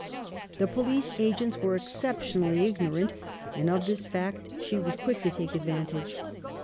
The police agents were exceptionally ignorant, and of this fact she was quick to take advantage.